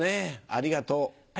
ありがとう。